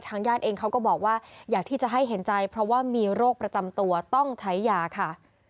ญาติเองเขาก็บอกว่าอยากที่จะให้เห็นใจเพราะว่ามีโรคประจำตัวต้องใช้ยาค่ะ